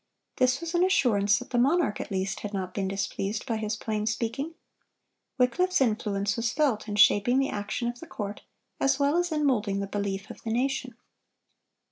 This was an assurance that the monarch at least had not been displeased by his plain speaking. Wycliffe's influence was felt in shaping the action of the court, as well as in moulding the belief of the nation.